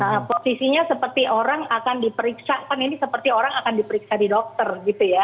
nah posisinya seperti orang akan diperiksa kan ini seperti orang akan diperiksa di dokter gitu ya